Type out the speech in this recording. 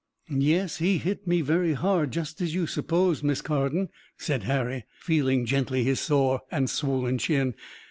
"Yes, he hit me very hard, just as you supposed, Miss Carden," said Harry, feeling gently his sore and swollen chin.